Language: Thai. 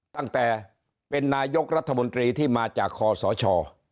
ตั้งแต่เป็นนายกรัฐมนตรีที่มาจากคอสช